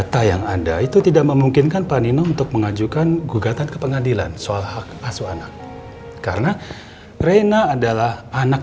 kan yang penting kebersamaannya momentnya yang diambil kan itu